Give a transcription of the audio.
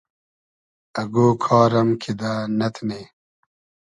اگۉ کار ام کیدہ نئتنی